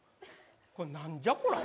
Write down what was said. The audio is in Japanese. これ何じゃこら？